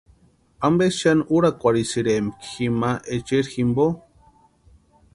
¿Ampe xani úrakwarhisïrempki jima echeri jimpo?